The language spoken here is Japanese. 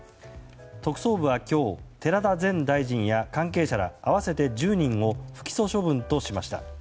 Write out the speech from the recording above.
特捜部は今日、寺田前大臣や関係者ら合わせて１０人を不起訴処分としました。